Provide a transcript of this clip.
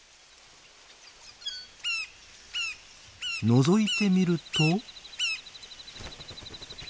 のぞいてみると。